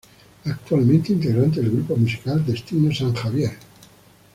Actualmente integrante del grupo musical Destino San Javier.